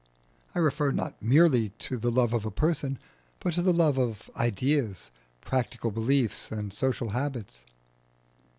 I refer not merely to the love of a person, but to the love of ideas, practical beliefs, and social habits.